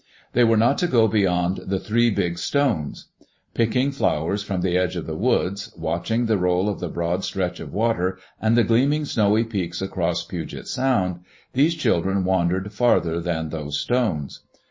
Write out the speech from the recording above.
They were not to go beyond the "three big stones. Picking flowers from the edge of the woods, watching the roll of the broad stretch of water, and the gleaming snowy peaks across Puget Sound, these children wandered farther than those stones.